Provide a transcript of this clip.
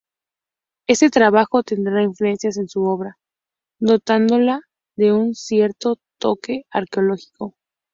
Este trabajo tendrá influencias en su obra, dotándola de un cierto "toque arqueológico".